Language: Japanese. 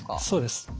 そうです。